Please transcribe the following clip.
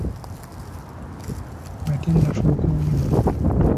Nga tennafuuka Owino.